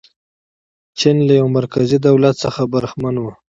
چین له یوه مرکزي دولت څخه برخمن و.